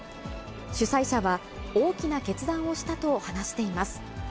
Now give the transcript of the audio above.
主催者は、大きな決断をしたと話しています。